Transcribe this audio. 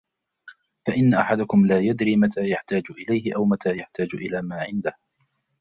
فَإِنَّ أَحَدَكُمْ لَا يَدْرِي مَتَى يَحْتَاجُ إلَيْهِ أَوْ مَتَى يَحْتَاجُ إلَى مَا عِنْدَهُ